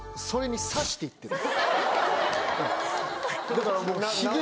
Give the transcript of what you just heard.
だからもう。